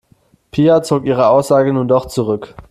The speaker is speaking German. Pia zog ihre Aussage nun doch zurück.